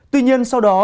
tuy nhiên sau đó